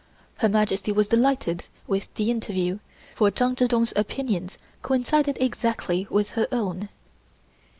Her Majesty was delighted with the interview, for Chang Chih Tung's opinions coincided exactly with her own.